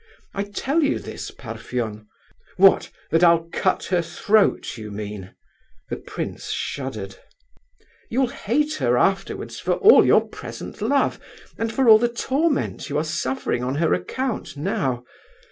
"I tell you this, Parfen—" "What! that I'll cut her throat, you mean?" The prince shuddered. "You'll hate her afterwards for all your present love, and for all the torment you are suffering on her account now.